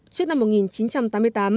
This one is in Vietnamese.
trước năm một nghìn chín trăm tám mươi tám